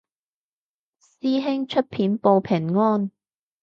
師兄出片報平安